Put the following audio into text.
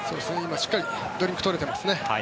しっかりドリンク取れてますね。